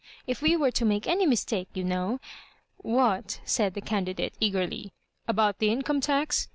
If we were to make any mistake, you know "What?" said the candidate, eagerly— "about the Income tax